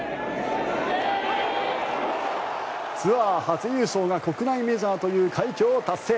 ツアー初優勝が国内メジャーという快挙を達成。